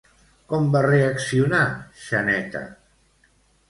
Com va reaccionar Xaneta?